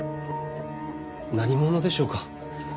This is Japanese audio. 何者でしょうか？